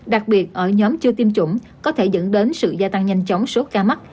đặc biệt ở nhóm chưa tiêm chủng có thể dẫn đến sự gia tăng nhanh chóng số ca mắc